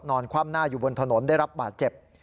คว่ำหน้าอยู่บนถนนได้รับบาดเจ็บ